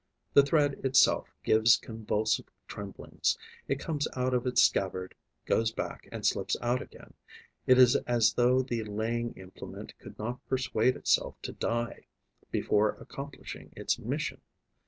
The thread itself gives convulsive tremblings; it comes out of its scabbard, goes back and slips out again. It is as though the laying implement could not persuade itself to die before accomplishing its mission.